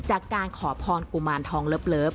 จากการขอพรกุมารทองเลิฟ